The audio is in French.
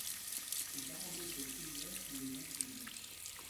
Les parents de cette fille-là sont des infirmes.